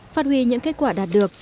phát huy những kết quả đạt được